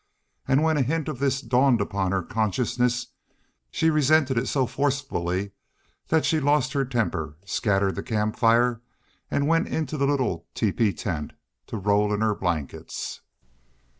And when a hint of this dawned upon her consciousness she resented it so forcibly that she lost her temper, scattered the camp fire, and went into the little teepee tent to roll in her blankets.